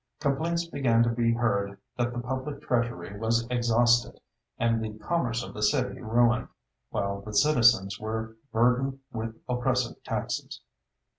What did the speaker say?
Complaints began to be heard that the public treasury was exhausted and the commerce of the city ruined, while the citizens were burdened with oppressive taxes.